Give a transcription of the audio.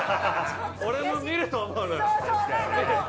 俺も見ると思うのよ